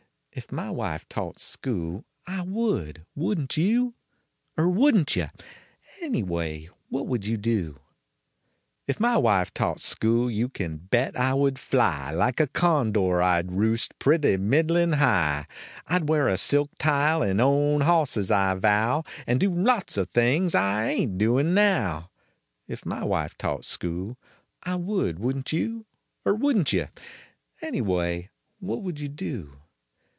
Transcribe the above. If my wife taught school, I would, wouldn t you ? Er wouldn t yuh ? Anyway what would vou do ? If my wife taught school you can bet I would tly Like a condor, I d roost pretty middlin high; I d wear a silk tile and own hosses, I vow, And do lots of things I ain t doin now. If my wife taught school I would, wouldn t you ? Er wouldn t yuh? Anyway what would you do